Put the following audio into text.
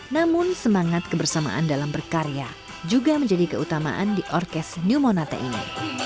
namun semangat kebersamaan dalam berkarya juga menjadi keutamaan di orkes new monata ini